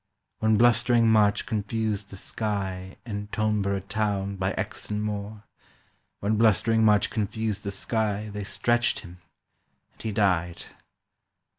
. When blustering March confused the sky In Toneborough Town by Exon Moor, When blustering March confused the sky They stretched him; and he died.